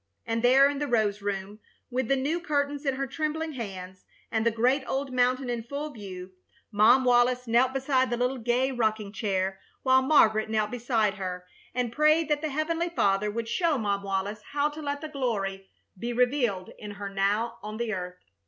And there in the rose room, with the new curtains in her trembling hands, and the great old mountain in full view, Mom Wallis knelt beside the little gay rocking chair, while Margaret knelt beside her and prayed that the Heavenly Father would show Mom Wallis how to let the glory be revealed in her now on the earth.